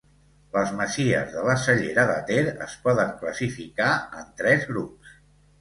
Les masies de la Cellera de Ter es poden classificar en tres grups.